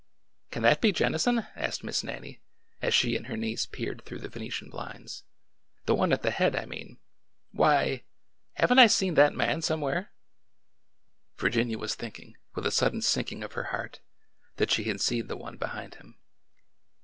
''Can that be Jennison?'' asked Miss Nannie, as she and her niece peered through the Venetian blinds, —" the one at the head, I mean.— Why y! Haven't I seen that man somewhere ?" Virginia was thinking, with a sudden sinking of her heart, that she had seen the one behind him.